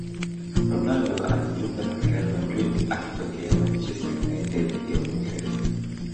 ronaldo alijiunga na real madrid akitokea manchester united ya uingereza